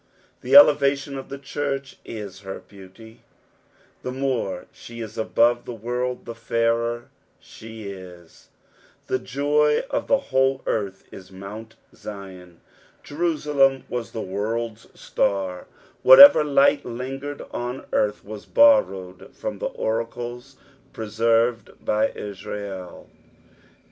The elevation of the church is her beauty. The more she is above tne world the fairer she is. " The joy ^ the whole earth i* Movnt ZUm.'" Jerusalem was the world's star ; whatever light lingered on earth was borrowed from the oracles preserved by Israel.